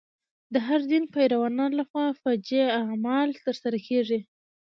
د هر دین پیروانو له خوا فجیع اعمال تر سره کېږي.